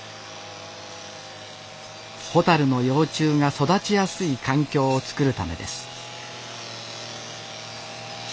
ホタルの幼虫が育ちやすい環境を作るためです